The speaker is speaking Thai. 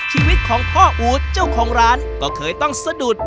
ชีวิตของพ่ออู๊ดเจ้าของร้านก็เคยต้องสะดุด